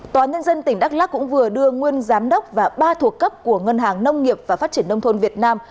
tòa nhân dân tỉnh đắk lắc cũng vừa đưa nguyên giám đốc và ba thuộc cấp của ngân hàng nông nghiệp và phát triển nông thôn việt nam